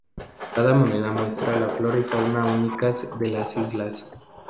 Cada moneda muestra la flora y fauna únicas de las islas.